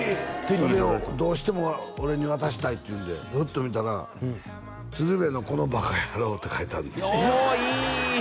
それをどうしても俺に渡したいっていうんでふっと見たら「つるべこのバカヤロウ」って書いてあるんですよああいい！